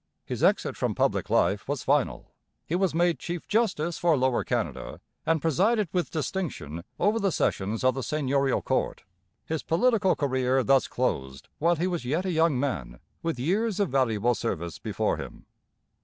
His exit from public life was final. He was made chief justice for Lower Canada and presided with distinction over the sessions of the Seigneurial Court. His political career thus closed while he was yet a young man with years of valuable service before him.